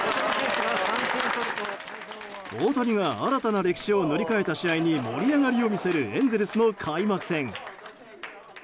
大谷が新たな歴史を塗り替えた試合に盛り上がりを見せるエンゼルスの開幕戦。